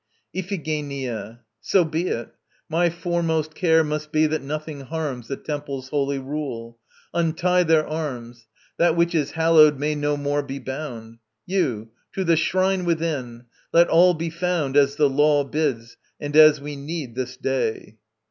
] IPHIGENIA. So be it. My foremost care must be that nothing harms The temple's holy rule. Untie their arms. That which is hallowed may no more be bound. You, to the shrine within! Let all be found As the law bids, and as we need this day.